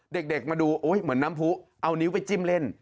เด็กมาดูเหมือนน้ำผู้เอานิ้วไปจิ้มเล่น